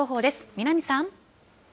南さん。